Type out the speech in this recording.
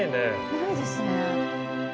ないですね。